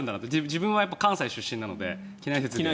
自分は関西出身なので畿内説。